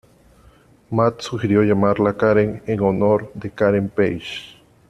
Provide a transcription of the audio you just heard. Matt sugirió llamarla Karen en honor de Karen Page.